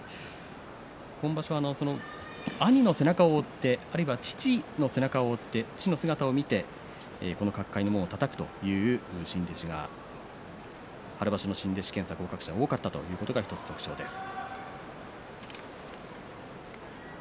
今場所は兄の背中を追ってあるいは父の背中を追って父の姿を見てこの角界の門をたたくという新弟子が春場所の新弟子検査合格者が多かったということが１つ特徴です。